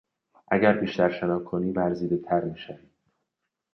اگر بیشتر شنا کنی ورزیدهتر میشوی.